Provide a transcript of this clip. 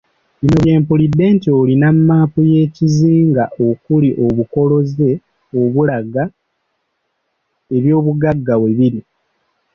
Bino bye mpulidde nti olina maapu y'ekizinga okuli obukoloboze obulaga eby'obugagga we biri.